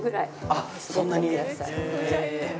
あっそんなに？